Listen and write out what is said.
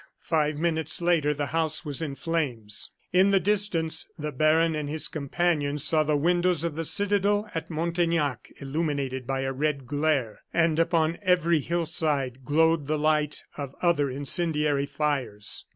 Five minutes later the house was in flames. In the distance the baron and his companion saw the windows of the citadel at Montaignac illuminated by a red glare, and upon every hill side glowed the light of other incendiary fires.